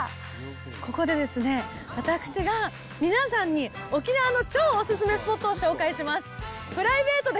ここで私が、皆さんに、沖縄の超お勧めスポットを紹介します。